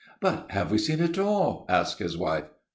"But have we seen it all?" asked his wife.